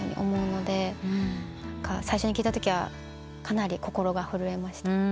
最初に聴いたときはかなり心が震えました。